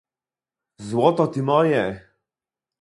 "Złoto ty moje!"